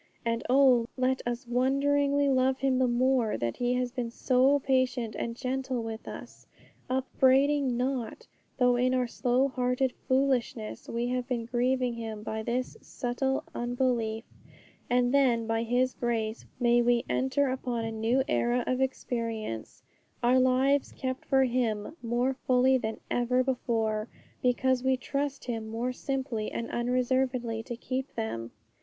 And oh, let us wonderingly love Him the more that He has been so patient and gentle with us, upbraiding not, though in our slow hearted foolishness we have been grieving Him by this subtle unbelief, and then, by His grace, may we enter upon a new era of experience, our lives kept for Him more fully than ever before, because we trust Him more simply and unreservedly to keep them!